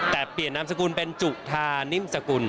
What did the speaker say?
แต่เปลี่ยนนามสกุลเป็นจุธานิ่มสกุล